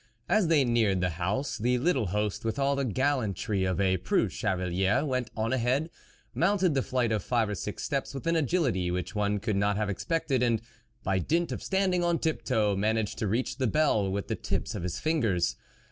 As they neared the house th ittle host, with all the gallantry of a ' preux chevalier " went on ahead, mounted the flight of five or six steps with an agility which one could not mve expected, and, by dint of standing on ip toe, managed to reach the bell with the ips of his fingers.